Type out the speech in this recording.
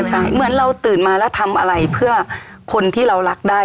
ใช่เหมือนเราตื่นมาแล้วทำอะไรเพื่อคนที่เรารักได้